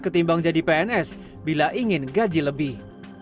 ketimbang jadi pns bila ingin gaji lebih